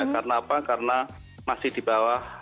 karena apa karena masih di bawah